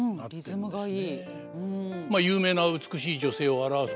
リズムがいい。